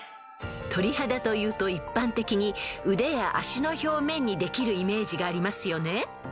［鳥肌というと一般的に腕や脚の表面にできるイメージがありますよね？］